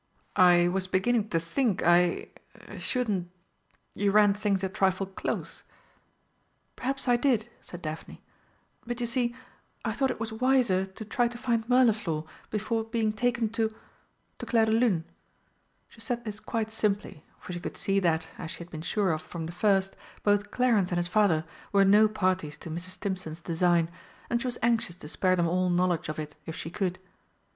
"I was beginning to think I er shouldn't you ran things a trifle close." "Perhaps I did," said Daphne, "but you see, I thought it was wiser to try to find Mirliflor, before being taken to to Clairdelune." She said this quite simply, for she could see that, as she had been sure of from the first, both Clarence and his father were no parties to Mrs. Stimpson's design, and she was anxious to spare them all knowledge of it if she could.